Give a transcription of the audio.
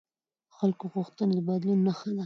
د خلکو غوښتنې د بدلون نښه ده